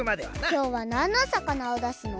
きょうはなんのさかなをだすの？